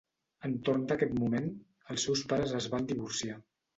Entorn d'aquest moment, els seus pares es van divorciar.